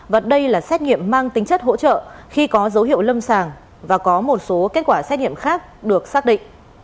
và đây là xét nghiệm mang tính chất hỗ trợ khi có dấu hiệu lâm sàng và có một số kết quả xét nghiệm khác được xác định